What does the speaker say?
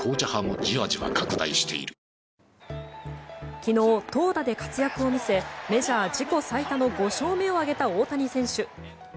昨日投打で活躍を見せメジャー自己最多の５勝目を挙げた大谷選手。